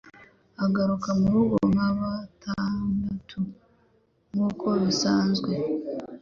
Agaruka murugo nka batandatu nkuko bisanzwe.